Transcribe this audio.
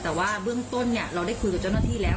แต่ว่าเบื้องต้นเราได้คุยกับเจ้าหน้าที่แล้ว